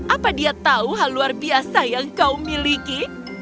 apa dia tahu hal luar biasa yang kau miliki